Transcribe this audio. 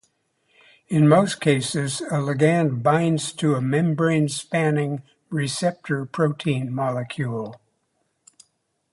In most cases, a ligand binds to a membrane-spanning receptor protein molecule.